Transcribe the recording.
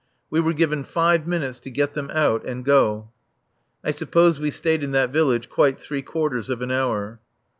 We were given five minutes to get them out and go. I suppose we stayed in that village quite three quarters of an hour.